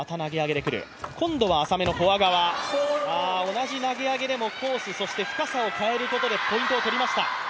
同じ投げ上げでもコースそして深さを変えることでポイントを取りました。